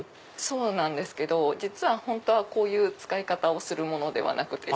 そうなんですけど実はこういう使い方をするものではなくて。